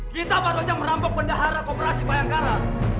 kita baru saja merampok pendahara kooperasi bayangkara